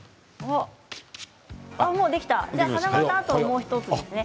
華丸さん、あともう１つですね。